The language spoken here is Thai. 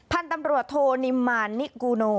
พันธุ์ตำรวจโทนิมมานิกูโน